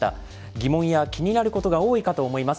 疑問や気になることが多いかと思います。